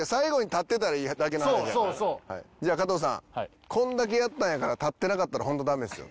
じゃあ加藤さんこれだけやったんやから立ってなかったらホントダメですよ。